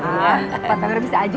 pak taner bisa aja